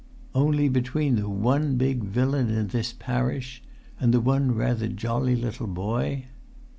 "Only between the one big villain in this parish—and the one rather jolly little boy!"